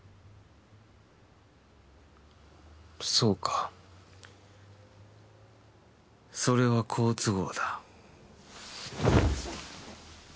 そうかそれは好都合だ。